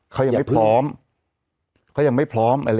เขายังไม่พร้อม